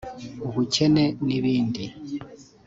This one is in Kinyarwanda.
ubukene n’ibindi